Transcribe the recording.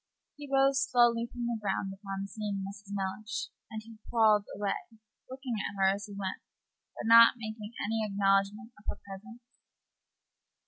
He rose slowly from the ground upon seeing Mrs. Mellish, and crawled away, looking at her as he went, but not making any acknowledgment of her presence.